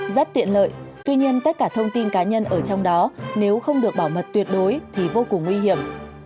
rất tiện lợi tuy nhiên tất cả thông tin cá nhân ở trong đó nếu không được bảo mật tuyệt đối thì vô cùng nguy hiểm